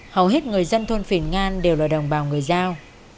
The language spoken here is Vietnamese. hầu hết người dân thôn phìn ngan đều là đồng bào người giao